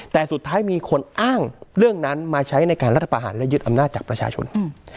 แต่สุดท้ายมีคนอ้างเรื่องนั้นมาใช้ในการรัฐประหารและยึดอำนาจจากประชาชนอืม